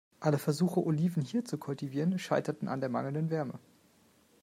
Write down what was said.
Alle Versuche, Oliven hier zu kultivieren, scheiterten an der mangelnden Wärme.